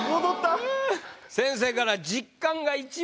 先生から「実感が一番！」